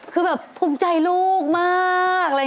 คือแบบภูมิใจลูกมาก